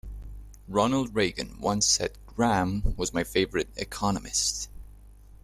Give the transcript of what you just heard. Ronald Reagan once said Gramm was my favorite economist.